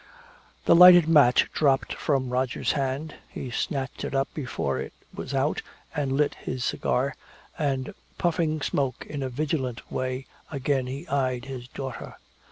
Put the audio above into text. The lighted match dropped from Roger's hand. He snatched it up before it was out and lit his cigar, and puffing smoke in a vigilant way again he eyed his daughter.